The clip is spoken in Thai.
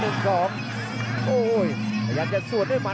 โอ้โหพยายามจะสวนด้วยมัน